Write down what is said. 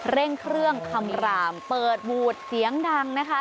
เร่งเครื่องคำรามเปิดบูดเสียงดังนะคะ